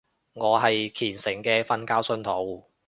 我係虔誠嘅瞓覺信徒